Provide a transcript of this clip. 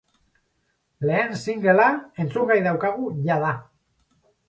Lehen singlea entzungai daukagu jada!